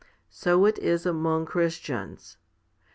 So it is among Christians.